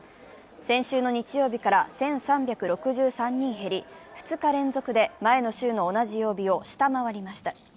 先週の日曜日から１３６３人減り、２日連続で前の週の同じ曜日を下回りました。